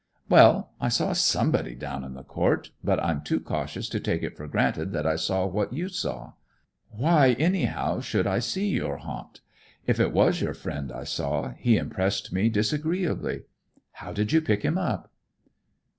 "Well, I saw somebody down in the court, but I'm too cautious to take it for granted that I saw what you saw. Why, anyhow, should I see your haunt? If it was your friend I saw, he impressed me disagreeably. How did you pick him up?"